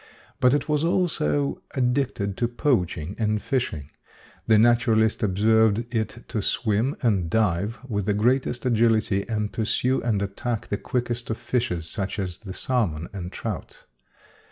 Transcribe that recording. But it was also addicted to poaching and fishing. The naturalist observed it to swim and dive with the greatest agility and pursue and attack the quickest of fishes, such as the salmon and trout.